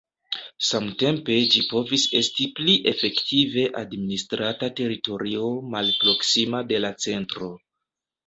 Samtempe ĝi povis esti pli efektive administrata teritorio malproksima de la centro.